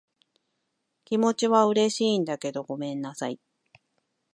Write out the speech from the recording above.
気持ちは嬉しいんだけど、ごめんなさい。